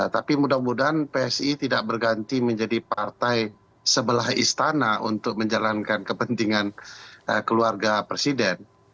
tapi mudah mudahan psi tidak berganti menjadi partai sebelah istana untuk menjalankan kepentingan keluarga presiden